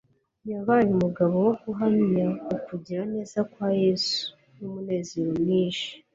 yabaye umugabo wo guhamya ukugira neza kwa Yesu. N'umunezero mwinshi,